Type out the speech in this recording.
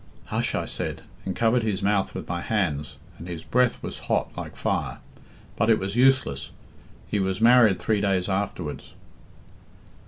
'Hush!' I said, and covered his mouth with my hands, and his breath was hot, like fire. But it was useless. He was married three days afterwards."